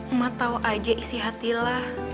emang tau aja isi hati lah